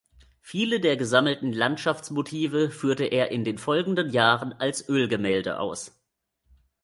Viele der gesammelten Landschaftsmotive führte er in den folgenden Jahren als Ölgemälde aus.